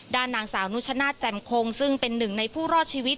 ด้านนางสาวนุชนาธิแจ่มคงซึ่งเป็นหนึ่งในผู้รอดชีวิต